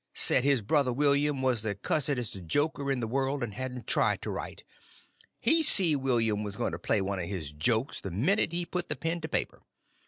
Said his brother William was the cussedest joker in the world, and hadn't tried to write—he see William was going to play one of his jokes the minute he put the pen to paper.